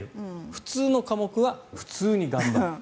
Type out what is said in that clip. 普通の科目は普通に頑張る。